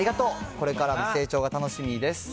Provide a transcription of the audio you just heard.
これからの成長が楽しみです。